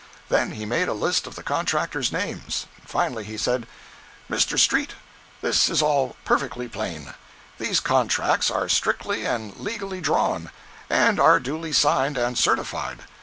Then he made a list of the contractors' names. Finally he said: "'Mr. Street, this is all perfectly plain. These contracts are strictly and legally drawn, and are duly signed and certified.